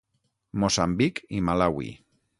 Moçambic i Malawi.